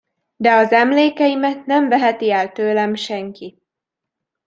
De az emlékeimet nem veheti el tőlem senki.